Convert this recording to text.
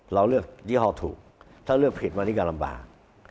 เราเลือกยี่ห้อถูกถ้าเลือกผิดวันนี้ก็ลำบาก